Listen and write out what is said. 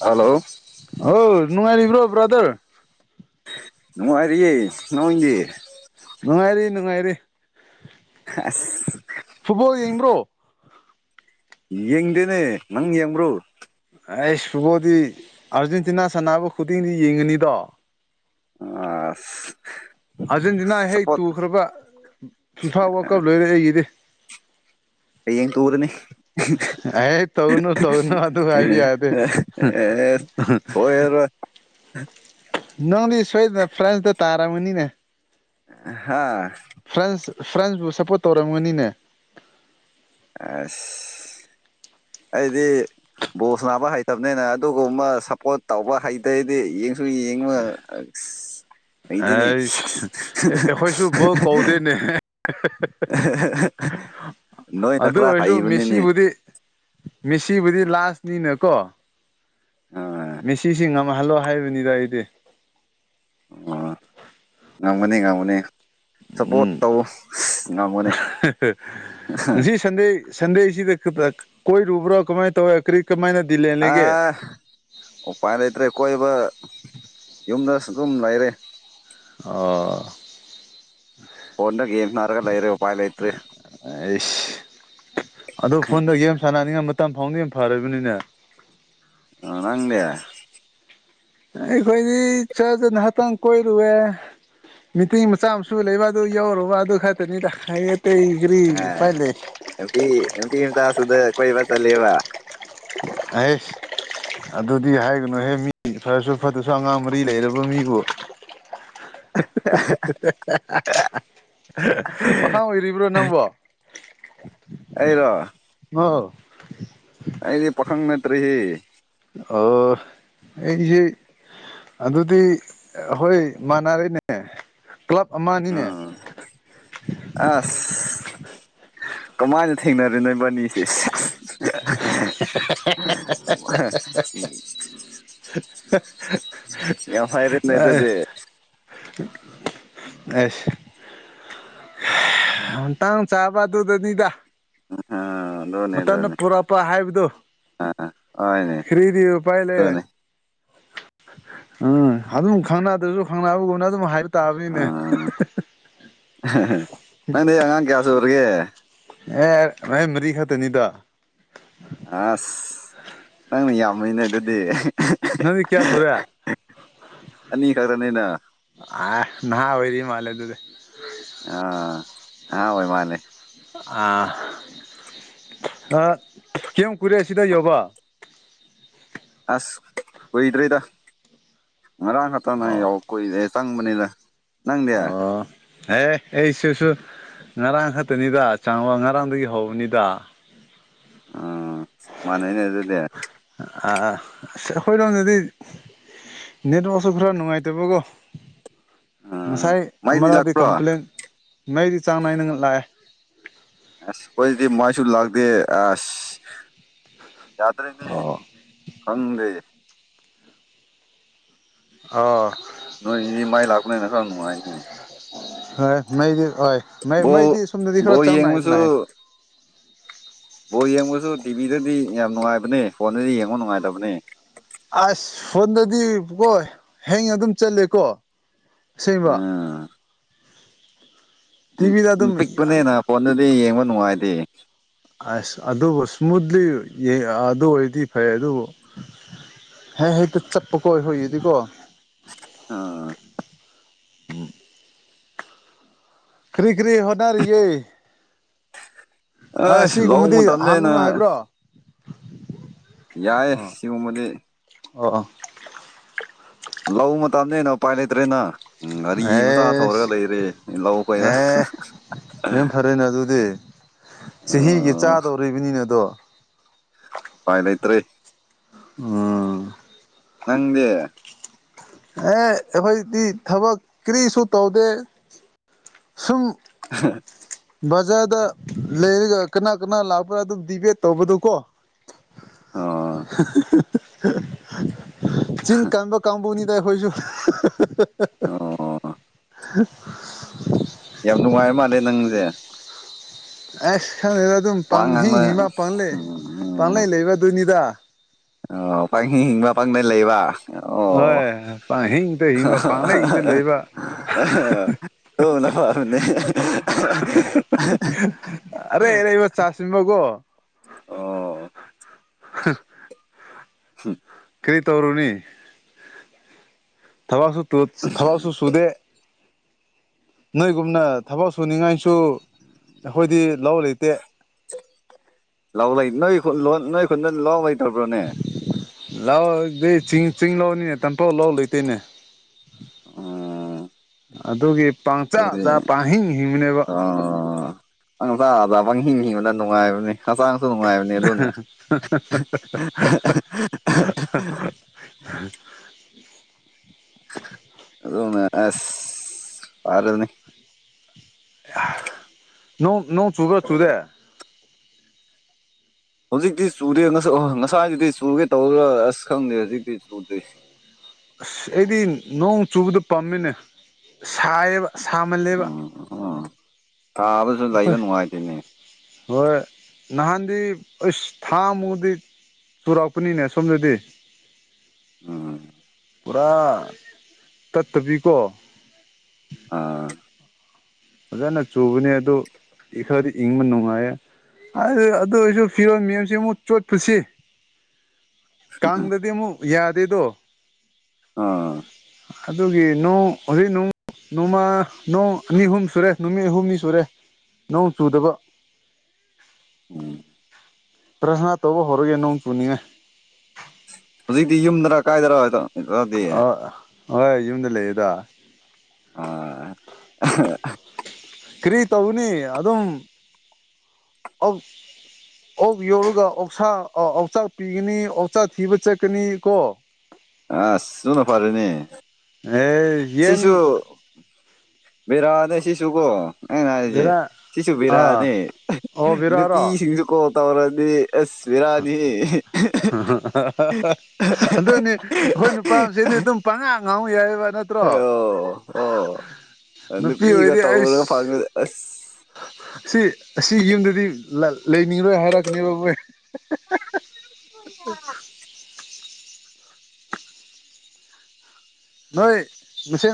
hello ꯅꯅꯨꯡꯔꯤ ꯏꯕ꯭ꯔꯣ ꯭ꯔꯗꯔ ꯅꯅꯨꯡꯥꯏꯔꯤ ꯅꯣꯡꯗꯤ ꯅꯨꯡꯉꯥꯏꯔꯤ ꯅꯨꯡꯉꯥꯏꯔꯤ ꯑꯁ ꯐꯨꯠꯕꯣꯜ ꯌꯦꯡꯕ꯭ꯔꯣ ꯌꯦꯡꯗꯦꯅꯦ ꯅꯪ ꯌꯦꯡꯕ꯭ꯔꯣ ꯑꯩ ꯐꯨꯕꯣꯗꯤ ꯑꯥꯔꯖꯦꯟꯇꯤꯅꯥ ꯁꯥꯟꯅꯕ ꯈꯨꯗꯤꯡꯗꯤ ꯌꯦꯡꯉꯅꯤꯗꯣ ꯑ ꯑꯥꯔꯖꯦꯟꯇꯤꯅꯥ ꯍꯦꯛ ꯇꯨꯈ꯭ꯔꯕ ꯐꯤꯐꯥ ꯋꯥꯀꯞ ꯂꯣꯏꯔꯦ ꯑꯩꯒꯤꯗꯤ ꯀꯌꯦꯟ ꯀꯨꯗꯅꯤ ꯑꯦ ꯇꯧꯒꯅꯨ ꯇꯧꯒꯅꯨ ꯑꯗꯨ ꯍꯥꯏꯕ ꯌꯥꯗꯦ ꯑꯦ ꯍꯣꯏ ꯌꯥꯔ ꯅꯪꯅꯤ ꯁꯣꯏꯗ ꯐ꯭ꯔꯥꯟꯁꯗ ꯇꯔꯥ ꯃꯨꯅꯤꯅ ꯍꯥꯥ ꯐ꯭ꯔꯥꯟꯁ ꯐ꯭ꯔꯥꯟꯁꯕꯨ ꯁꯞꯄꯣꯔꯠ ꯇꯧꯔꯝꯒꯅꯤꯅꯦ ꯑ ꯑꯩꯗꯤ ꯕꯣꯁ ꯅꯥꯕ ꯍꯩꯇꯕꯅꯤꯅ ꯑꯗꯨꯒꯨꯝꯕ ꯁꯞꯄꯣꯔꯠ ꯇꯧꯕ ꯍꯩꯇꯗꯤ ꯁ ꯌꯦꯡꯕ ꯍꯩꯇꯦꯅꯦ ꯑꯩ ꯑꯩꯈꯣꯏꯁꯨ ꯕꯣ ꯀꯧꯗꯦꯅꯦ ꯅꯣꯏꯅ ꯑꯗꯨ ꯈꯔ ꯑꯣꯏꯔꯁꯨ ꯍꯩꯕꯅꯤꯅꯦ ꯃꯦꯁꯤꯕꯨꯗꯤ ꯃꯦꯁꯤꯕꯨꯗꯤ ꯂꯥꯁꯅꯤꯅꯦꯀꯣ ꯑ ꯑꯣ ꯃꯦꯁꯤꯁꯤ ꯉ ꯍꯜꯂꯣ ꯍꯥꯏꯕꯅꯤꯗ ꯑꯩꯗꯤ ꯑ ꯉꯃꯅꯦ ꯉꯃꯅꯦ ꯁꯞꯄꯣꯔꯠ ꯎꯝ ꯇꯧ ꯉꯝꯒꯅꯤ ꯁꯗꯦꯁꯤ ꯀꯣꯏ ꯔꯨꯕꯔ ꯀꯃꯥꯏ ꯇꯧꯋ ꯀꯔꯤ ꯀꯃꯥꯏꯅ ꯗꯤ ꯂꯦꯟ ꯑ ꯂꯩꯒꯦ ꯎ ꯄꯥꯏꯗꯇꯦ ꯀꯣꯏꯕ ꯌꯨꯝꯗꯁꯨ ꯑꯗꯨꯝ ꯂꯩꯔꯦ ꯑꯣ ꯐꯟꯗ ꯒꯝꯅꯔꯒ ꯂꯩꯏꯔꯦ ꯎ ꯄꯥꯏ ꯂꯩꯥꯏꯇ꯭ꯔꯤ ꯑꯗꯨ ꯐꯣꯟꯗ ꯒꯦꯝ ꯁꯥꯟꯅꯅꯤꯅ ꯃꯇꯝ ꯐꯥꯎꯅ ꯌꯥꯝ ꯐꯕꯅꯤꯅꯦ ꯑ ꯅꯪ ꯂꯦ ꯑꯩ ꯀꯣꯏ ꯆꯖ ꯍꯥꯇ ꯀꯣꯏꯔꯨꯋ ꯃꯤꯇꯤꯡ ꯃꯆꯥ ꯃꯁꯨ ꯂꯩꯕ ꯑꯗꯨ ꯌꯧꯔꯨꯕ ꯑꯗꯨ ꯈꯛꯇꯅꯤꯗ ꯍꯥꯏꯌꯦ ꯑ ꯄꯤ ꯇ ꯁꯗ ꯀꯣꯏꯕ ꯆꯂꯦꯕ ꯑꯁ ꯑꯗꯨꯗꯤ ꯍꯥꯏꯒꯅꯨꯍꯦ ꯃꯤ ꯐꯔꯁꯨ ꯐꯠꯇ꯭ꯔꯁꯨ ꯑꯉꯥꯡ ꯃꯔꯤ ꯂꯩꯔꯕ ꯃꯤꯕꯨ [unintelligible] ꯄꯥ ꯑꯣꯏꯔꯤꯕ꯭ꯔꯣ ꯅꯪꯕꯣ ꯑꯩꯔꯣ ꯑ ꯑꯩꯗꯤ ꯄꯈꯪ ꯅꯠꯇꯔꯤ ꯑꯣ ꯑꯩꯁ ꯑꯗꯨꯗꯤ ꯍꯣꯏ ꯃꯥꯟꯅꯔꯩꯅꯦ ꯀ꯭ꯂꯕ ꯑꯃ ꯑꯅꯤꯅꯦ ꯎꯝ ꯑꯁ ꯊꯦꯡꯅꯔꯦꯥꯏꯕꯅꯤꯁꯦ ꯁꯤ ꯎꯝ ꯌꯥꯝ ꯑꯦ ꯍꯥꯏꯥꯏꯔꯅꯗꯗꯤ ꯑꯁ ꯇꯥꯡ ꯆꯥꯕ ꯑꯗꯨꯗꯅꯤꯗ ꯍ ꯃꯇꯝꯅ ꯄꯨꯔꯛꯄ ꯍꯥꯏꯕꯗꯨ ꯑꯥ ꯍꯣꯏꯅꯦ ꯈꯔꯤꯗꯤ ꯎ ꯄꯥꯏ ꯂꯩꯦ ꯑꯗꯨꯅꯦ ꯎꯝ ꯑꯗꯨꯝ ꯈꯪꯅꯗ꯭ꯔꯁꯨ ꯈꯪꯅꯕꯒꯨꯝꯅ ꯑꯗꯨꯝ ꯍꯥꯏ ꯇꯥꯕꯤꯅꯦ ꯅꯅꯦ ꯌꯥꯉꯥꯡ ꯀꯌꯥꯁꯔꯒꯦ ꯑꯦ ꯃꯥꯏ ꯃꯔꯤ ꯈ ꯇꯅꯤꯗꯣ ꯑꯁ ꯅꯪꯅ ꯌꯥꯝꯃꯅꯦ ꯑꯗꯨꯗꯤ ꯅꯪꯗꯤ ꯀꯌꯥ ꯁꯨꯔꯦ ꯑ ꯑꯅꯤ ꯈꯛꯇꯅꯤꯅ ꯃꯥꯂꯦ ꯑꯗꯨꯗꯦ ꯑꯥ ꯑ ꯑꯣꯏꯣꯏ ꯃꯥꯅꯦ ꯑ ꯑ ꯀꯝ ꯀꯔ ꯁꯤꯗ ꯌꯣꯕꯥ ꯑꯁ ꯀꯨꯏꯗ꯭ꯔꯔꯤꯗ ꯉꯥꯡ ꯈꯛꯇꯅ ꯑꯣ ꯌꯥꯎ ꯀꯨꯏꯔꯦ ꯇꯪꯕꯅꯤꯗ ꯅꯪꯗꯦ ꯑꯦꯦ ꯑꯩ ꯁꯤꯁꯨ ꯉꯔꯥꯡ ꯈꯛꯇꯅꯤꯗ ꯆꯪꯕ ꯉꯔꯥꯡꯗꯒꯤ ꯍꯧꯕꯅꯤꯗ ꯑꯝ ꯃꯅꯅꯦ ꯑꯗꯨꯗꯦ ꯑꯁ ꯑꯩꯈꯣꯏꯔꯣꯝꯗꯗꯤ ꯅꯠ ꯃꯆꯔ ꯈꯔꯥ ꯅꯣꯡꯉꯥꯏ ꯇꯧꯕꯣꯒꯣ ꯎꯝ ꯉꯁꯥꯏ ꯃꯩꯗꯤ ꯑꯃꯔꯗꯤ ꯂꯥꯛꯄ꯭ꯔꯣ ꯑꯁ ꯀꯝꯄ꯭ꯂꯦꯟ ꯃꯩꯗꯤ ꯆꯥꯡ ꯅꯥꯏꯅ ꯂꯥꯛꯑꯦ ꯑ ꯀꯣꯏꯗꯤ ꯃꯥꯏꯁꯨꯨꯔ ꯂꯥꯛꯗ ꯑ ꯌꯥꯇꯅꯤ ꯑꯣ ꯍꯪꯦ ꯑꯣ ꯅꯣꯏ ꯏ ꯃꯥꯏ ꯂꯥꯛꯄꯅꯦꯅ ꯊ ꯅꯨꯡꯉꯥꯏꯅꯤ ꯍꯣꯏ ꯃꯩꯗꯤ ꯍꯣꯏꯩ ꯕꯣꯜ ꯃꯩꯗꯤ ꯁꯣꯝꯗꯗꯤ ꯈꯔ ꯕꯣꯜ ꯆꯥꯡ ꯅꯥꯏ ꯅꯥꯏꯏ ꯕ ꯌꯦꯡꯕꯁꯨ ꯇꯤꯚꯤꯗꯗꯤ ꯌꯥꯝ ꯅꯨꯡꯉꯥꯏꯕꯅꯦ ꯐꯣꯟꯗꯗꯤ ꯌꯦꯡꯕ ꯅꯨꯡꯉꯥꯏꯇꯕꯅꯦ ꯑꯁ ꯐꯣꯟꯗꯗꯤ ꯀꯣ ꯍꯦꯡ ꯑꯗꯨꯝ ꯆꯠꯂꯦꯀꯣ ꯁꯤꯕ ꯑꯥ ꯎꯝ ꯄꯤꯛꯄꯅꯦꯅ ꯐꯣꯟꯗꯨꯗꯤ ꯌꯦꯡꯕ ꯅꯨꯡꯉꯥꯏꯇꯦ ꯑꯁ ꯑꯗꯨꯕꯨ ꯏꯁꯃꯨꯠꯂꯤ ꯑꯗꯨ ꯑꯣꯏꯔꯗꯤ ꯐꯩ ꯑꯗꯨꯕꯨ ꯍꯦ ꯍꯛꯇ ꯆꯠꯄꯀꯣ ꯍꯗꯤꯀꯣ ꯑ ꯎꯝ ꯈꯔꯤ ꯈꯔꯤ ꯍꯅꯔꯤꯌꯦ ꯑ ꯑꯁ ꯂꯧ ꯑꯁꯤꯒꯨꯝꯕꯗꯤ ꯃꯇꯝꯅꯦꯅ ꯍꯥꯡꯒꯅꯨ ꯍꯥꯏꯕ꯭ꯔꯣ ꯌꯥꯏ ꯁꯤꯕꯃꯗꯤ ꯑꯣ ꯂꯧ ꯃꯇꯝꯅꯦ ꯍꯦꯟꯅ ꯎꯄꯥꯏ ꯂꯩꯇ꯭ꯔꯦꯅ ꯎꯝ ꯋꯥꯔꯤꯔꯤ ꯃꯆꯥ ꯊꯧꯔꯒ ꯑꯦꯁ ꯂꯩꯔꯦ ꯂꯧ ꯀꯩꯗ ꯑꯦ ꯌꯥꯝ ꯐꯔꯦꯅꯦ ꯑꯗꯨꯗꯤ ꯆꯍꯤꯒꯤ ꯆꯥꯗꯧꯔꯤꯕꯅꯤꯅ ꯑꯗꯣ ꯄꯥꯏꯅ ꯏꯇꯩꯦ ꯎꯝ ꯅꯪꯗꯦ ꯑꯦ ꯑꯩꯈꯣꯏꯗꯤ ꯊꯕꯛ ꯀꯔꯤꯁꯨ ꯇꯧꯗꯦ ꯁꯨꯝ ꯍ ꯕꯖꯥꯔꯗ ꯂꯩꯔꯒ ꯀꯅꯥ ꯀꯅꯥ ꯂꯥꯛꯄ꯭ꯔꯥ ꯑꯗꯨꯝ ꯗꯤꯕꯦꯠ ꯇꯧꯕꯗꯨꯣ ꯀꯣ ꯑꯣ ꯆꯤꯡ ꯀꯝꯕ ꯀꯝꯕꯅꯤ ꯗ ꯍꯣꯏꯁꯨ ꯑꯣ ꯌꯥꯝ ꯅꯨꯡꯉꯥꯏ ꯃꯥꯜꯂꯦ ꯅꯪꯁꯦ ꯑꯁ ꯈꯪꯉꯗ ꯑꯗꯨꯝ ꯋꯥ ꯄꯥꯡ ꯍꯤꯡ ꯉꯥꯡꯕ ꯍꯤꯃ ꯄꯥꯡꯂꯩ ꯎꯝ ꯄꯥꯡꯂꯩ ꯂꯩꯕ ꯑꯗꯨꯅꯤꯗ ꯑꯣ ꯄꯥꯡ ꯍꯤꯡ ꯍꯤꯡꯕ ꯄꯥꯡꯗꯏ ꯂꯩꯕ ꯑꯣ ꯍꯣꯏ ꯄꯥꯡ ꯍꯤꯡꯗ ꯍꯤꯡꯕ ꯄꯥꯡꯂꯩꯗ ꯂꯩꯕ ꯇꯧꯅ ꯐꯔꯅꯤ ꯑꯔꯩꯔ ꯂꯩꯕ ꯆꯥꯁꯤꯕꯀꯣ ꯑꯣ ꯀꯔꯤ ꯇꯧꯔꯅꯤ ꯊꯕ ꯁ ꯇꯣ ꯊꯂꯁꯨ ꯁꯨꯗꯦ ꯅꯣꯏꯒꯨꯝꯅ ꯊꯕꯛ ꯁꯨꯅꯤꯡꯉꯥꯏꯁꯨ ꯑꯩꯈꯣꯏꯗꯤ ꯂ ꯂꯩꯇꯦ ꯂꯥꯎ ꯂꯩ ꯅꯣꯏ ꯅꯣꯏ ꯈꯨꯟꯗ ꯂꯥꯎ ꯂꯩꯇꯕ꯭ꯔꯣꯅꯦ ꯂꯥꯛꯑꯣꯗꯤ ꯆꯤꯡ ꯆꯤꯡ ꯂꯥꯎꯅꯤꯅꯦ ꯇꯥꯟꯊꯣꯛ ꯂꯥꯛ ꯂꯩꯇꯣꯏꯅꯦ ꯑ ꯑꯗꯨꯗꯒꯤ ꯑꯣꯕ ꯍꯤꯡ ꯍꯕꯂ ꯅꯨꯡꯉꯥꯏꯕꯅꯤ ꯍꯛꯆꯥꯡꯁꯨ ꯅꯨꯡꯉꯥꯏꯕꯅꯦ ꯑꯗꯨꯅ ꯑ ꯑꯣꯅ ꯑꯔꯅꯤꯅꯤ ꯣꯡ ꯅꯣꯡ ꯆꯨꯕ꯭ꯔꯥ ꯆꯨꯨꯔꯦ ꯍꯧꯖꯤꯛꯇꯤ ꯆꯗꯦ ꯉꯁꯥꯏꯗꯨꯗꯤ ꯆꯨꯔꯒꯦ ꯇꯧꯔꯥ ꯑꯁ ꯈꯪꯗꯦ ꯍꯧꯖꯤꯛꯇꯤ ꯆꯨꯗꯦ ꯑꯁ ꯑꯩꯗꯤ ꯅꯣꯡ ꯆꯨꯕꯗ ꯄꯥꯝꯃꯤꯅꯦ ꯁꯥꯏꯌꯦꯕ ꯁꯥꯃꯜꯂꯦꯕ ꯎꯝ ꯎꯝ ꯊꯥꯕꯁꯨ ꯂꯩꯕ ꯑꯩꯈꯣꯏ ꯅꯨꯡꯉꯥꯏꯇꯦꯅꯦ ꯍꯣꯏ ꯅꯍꯥꯟꯗꯤ ꯑꯩ ꯊꯥꯃꯗꯤ ꯆꯨꯔꯥꯛꯄꯅꯤꯅꯦ ꯁꯣꯝꯗꯗꯤ ꯎꯝ ꯄꯨꯔꯥ ꯇꯠꯇꯕꯤꯀꯣ ꯑꯥ ꯐꯖꯅ ꯆꯨꯕꯅꯦ ꯑꯗꯨ ꯏ ꯈꯔꯗꯤ ꯏꯪꯕ ꯅꯨꯡꯉꯥꯏꯌꯦ ꯑꯗꯨ ꯑꯗꯨ ꯑꯣꯏꯔꯁꯨ ꯐꯤꯔꯣ ꯃꯦꯝꯁꯤ ꯑꯃꯨꯛ ꯆꯣꯠ ꯄꯨꯁꯤ ꯀꯥꯡꯗꯗꯤ ꯑꯃꯨꯛ ꯌꯥꯗꯦꯗꯣ ꯑꯥ ꯑꯗꯨꯒꯤ ꯅꯣꯡ ꯍꯧꯖꯤꯛ ꯅꯣꯡꯃ ꯅꯣꯡꯃ ꯅꯣꯡ ꯑꯅꯤ ꯑꯍꯨꯝ ꯁꯨꯔꯦ ꯅꯨꯃꯤꯠ ꯑꯍꯨꯝꯅꯤ ꯁꯨꯔꯦ ꯅꯣꯡ ꯆꯨꯗꯕ ꯎꯝ ꯄ꯭ꯔꯁꯅ ꯇꯧꯕ ꯍꯧꯔꯒꯦ ꯅꯣꯡ ꯆꯨꯅꯤꯅꯦ ꯍꯧꯖꯤꯛꯇꯤ ꯌꯨꯝꯗꯔ ꯀꯥꯏꯗꯔꯗꯤ ꯍꯣꯏ ꯌꯨꯝꯗ ꯂꯩꯌꯦꯗ ꯑꯥ ꯀꯔꯤ ꯇꯧꯅꯤ ꯑꯗꯨꯝ ꯑ ꯑꯣꯛ ꯌꯧꯔꯒ ꯑꯣꯁꯥ ꯑꯣꯛꯆꯥꯛ ꯄꯤꯒꯅꯤ ꯑꯣꯛꯆꯥꯛ ꯊꯤꯕ ꯆꯠꯀꯅꯤ ꯀꯣ ꯑꯁ ꯁꯨꯅ ꯐꯔꯦꯅꯦ ꯑꯦ ꯁꯤꯁꯨ ꯌꯦꯟ ꯕꯤꯔ ꯅ ꯁꯤ ꯁꯨ ꯀꯣ ꯑꯩꯅ ꯍꯥꯏꯔꯤꯁꯦ ꯕꯦꯔꯥ ꯁꯤꯁꯨ ꯑꯥ ꯕꯤꯔꯛꯅꯤ ꯑꯣ ꯕꯦꯔꯥꯔꯣ ꯅꯨꯄꯤꯁꯤꯡꯁꯨ ꯀꯣꯜ ꯇꯧꯔꯗꯤ ꯑꯦꯃꯤꯔꯅꯤ ꯑꯗꯨꯅꯤ ꯑꯩꯈꯣꯏ ꯅꯨꯄꯥꯁꯤꯗꯤ ꯑꯗꯨꯝ ꯄꯪꯉꯥ ꯉꯥꯎ ꯌꯥꯏꯑꯕ ꯅꯠꯇ꯭ꯔꯣ ꯑꯣ ꯑꯣ ꯅꯨꯄꯤ ꯅꯨꯄꯤꯒ ꯑꯣꯏꯗꯤ ꯇꯧꯔꯒ ꯑꯩꯁ ꯐꯪꯉ ꯑꯁ ꯁꯤ ꯑꯁꯤ ꯌꯨꯝꯗꯗꯤ ꯂꯩꯅꯤꯡꯔꯣꯏ ꯍꯥꯏꯔꯛꯀꯅꯦꯕ ꯃꯣꯏ ꯅꯣꯏ ꯃꯁꯤꯁ ꯅ